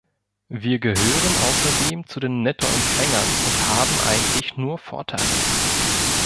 Wir gehören außerdem zu den Nettoempfängern und haben eigentlich nur Vorteile.